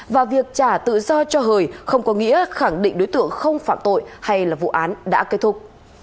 và việc trả tự do cho hời không có nghĩa khẳng định đối tượng không phạm tội hay là vụ án đã kết thúc